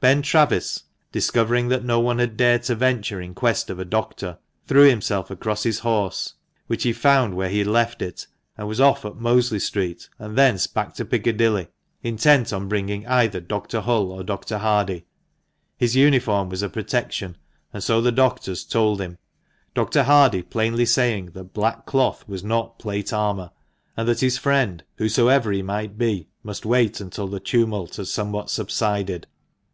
Ben Travis, discovering that no one had dared to venture in quest of a doctor, threw himself across his horse, which he found where he had left it, and was off up Mosley Street and thence back to Piccadilly, intent on bringing either Dr. Hull or Dr. Hardie. His undform was a protection, and so the doctors told him ; Dr. Hardie plainly saying that black cloth was not plate armour, and that his friend, whosoever he might be, must wait until the tumult had somewhat subsided.